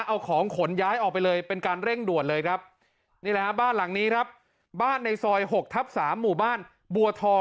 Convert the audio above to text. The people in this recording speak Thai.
เอาของขนย้ายออกไปเลยเป็นการเร่งด่วนเลยครับ